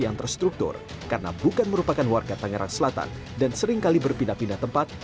yang terstruktur karena bukan merupakan warga tangerang selatan dan seringkali berpindah pindah tempat